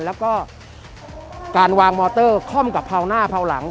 แล้วก็การวางมอเตอร์ค่อมกับเผาหน้าเผาหลัง